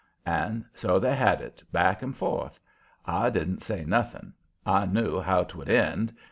And so they had it, back and forth. I didn't say nothing. I knew how 'twould end.